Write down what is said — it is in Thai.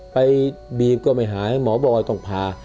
ไปบีมก็ไม่หายหมอบอกว่าต้องพา